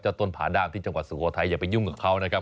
ต้นผาด้ามที่จังหวัดสุโขทัยอย่าไปยุ่งกับเขานะครับ